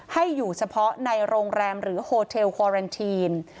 ให้อยู่เฉพาะในโรงแรมหรือโฮเทลคอเรนทีน